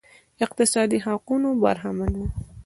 اقتصادي حقونو برخمن وو